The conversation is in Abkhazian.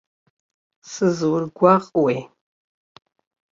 Сызургәаҟуеи.